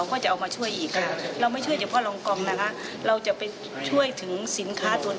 เป็นสกรที่มีศูนย์ในใจสินค้า